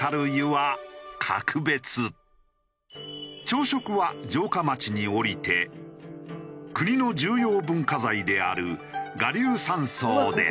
朝食は城下町に下りて国の重要文化財である臥龍山荘で。